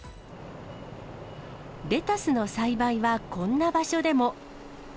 レタスの栽培は、こんな場所でも。